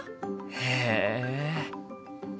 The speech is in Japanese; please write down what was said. へえ。